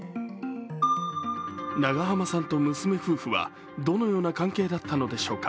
長濱さんと娘夫婦はどのような関係だったのでしょうか。